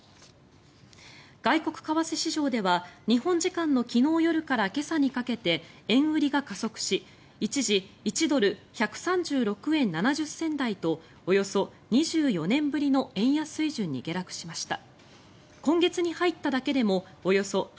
外国為替市場では日本時間の昨日夜から今朝にかけて円売りが加速し一時１ドル＝１３６円７０銭台とおよそ２４年ぶりの円安水準に下落しました。